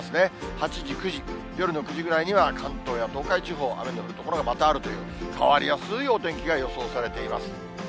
８時、９時、夜の９時ぐらいには関東や東海地方、雨の降る所がまたあるという、変わりやすいお天気が予想されています。